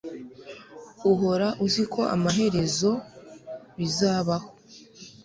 Uhora uzi ko amaherezo bizabaho